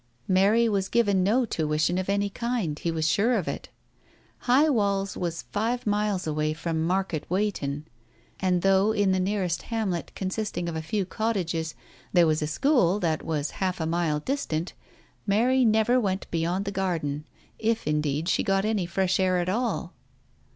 Mary was given no tuition of any kind ; he was sure of it. High Walls was five miles away from Market Weighton, and though in the nearest hamlet, consisting of a few cottages, there was a school that was half a mile distant, Mary never went beyond the garden, if indeed she got anytresh air at all.